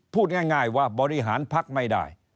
พูดง่ายว่าบริหารพักไม่ได้